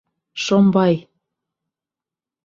Шомбай!